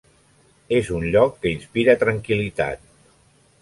És un lloc que inspira tranquil·litat.